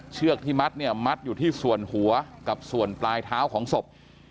เชือกที่มัดเนี่ยมัดอยู่ที่ส่วนหัวกับส่วนปลายเท้าของศพ